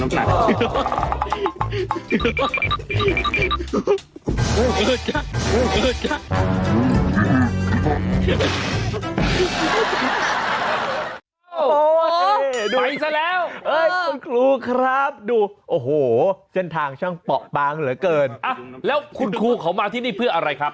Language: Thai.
มาครับจานมาเลยครับ